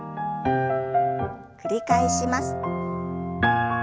繰り返します。